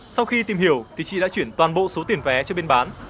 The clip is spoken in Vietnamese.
sau khi tìm hiểu thì chị đã chuyển toàn bộ số tiền vé cho bên bán